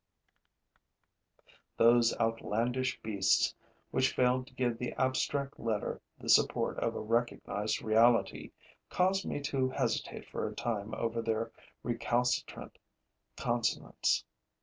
Those outlandish beasts, which failed to give the abstract letter the support of a recognized reality, caused me to hesitate for a time over their recalcitrant consonants.